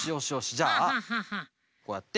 じゃあこうやって。